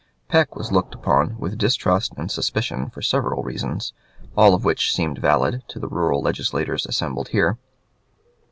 Peck was looked upon with distrust and suspicion for several reasons, all of which seemed valid to the rural legislators assembled there.